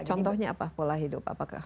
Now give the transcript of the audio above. contohnya apa pola hidup apakah